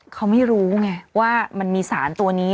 เขาไม่รู้ไงว่ามันมีสารตัวนี้